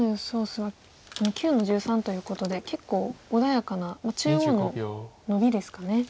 手は９の十三ということで結構穏やかな中央のノビですかね。